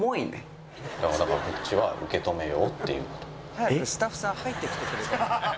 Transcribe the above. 「早くスタッフさん入ってきてくれと」